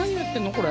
これ。